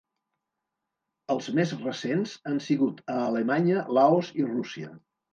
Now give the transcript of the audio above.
Els més recents han sigut a Alemanya, Laos i Rússia.